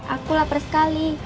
aku lapar sekali